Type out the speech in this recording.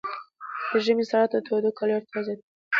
د ژمي ساړه د تودو کالیو اړتیا زیاتوي.